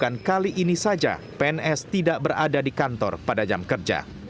bukan kali ini saja pns tidak berada di kantor pada jam kerja